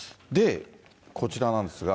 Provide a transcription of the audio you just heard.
こちらなんですが。